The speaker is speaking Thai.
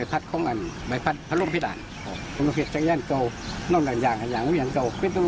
จักรยานหูประหารจักรยานเก่า